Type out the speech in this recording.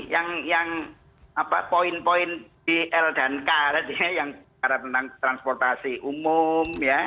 yang poin poin bl dan k tadi yang bicara tentang transportasi umum